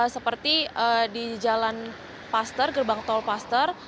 seperti di jalan pastor gerbang tol pastor